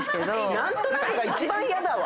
何となくが一番ヤダわ。